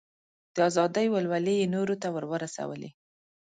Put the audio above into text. د ازادۍ ولولې یې نورو ته ور ورسولې.